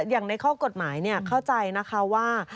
อย่างในข้อกฎหมายเข้าใจนะคะว่า